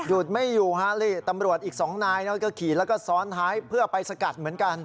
ไม่อยู่ฮะนี่ตำรวจอีกสองนายก็ขี่แล้วก็ซ้อนท้ายเพื่อไปสกัดเหมือนกัน